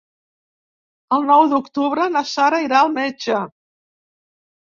El nou d'octubre na Sara irà al metge.